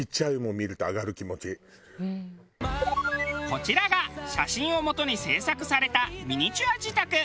こちらが写真をもとに制作されたミニチュア自宅。